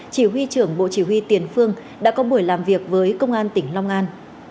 chỉ huy trưởng bộ chỉ huy tiền phương đã có buổi làm việc với công an tỉnh long an